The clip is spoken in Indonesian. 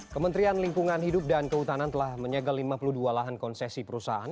kementerian lingkungan hidup dan kehutanan telah menyegel lima puluh dua lahan konsesi perusahaan